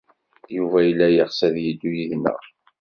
Yuba yella yeɣs ad yeddu yid-neɣ.